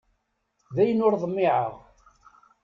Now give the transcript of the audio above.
Dayen ur ḍmiεeɣ.